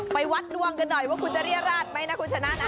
ไปวัดดวงกันหน่อยว่าคุณจะเรียราชไหมนะคุณชนะ